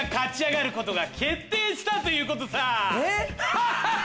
ハハハハ！